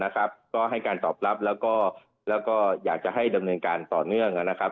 ก็ให้การตอบรับแล้วก็อยากจะให้ดำเนินการต่อเนื่องนะครับ